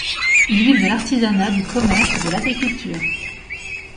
Ils vivent de l'artisanat, du commerce et de l'agriculture.